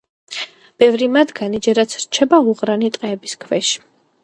ბევრი მათგანი ჯერაც რჩება უღრანი ტყეების ქვეშ.